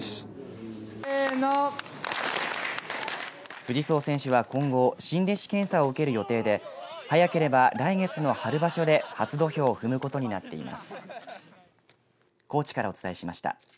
藤宗選手は今後新弟子検査を受ける予定で早ければ来月の春場所で初土俵を踏むことになっています。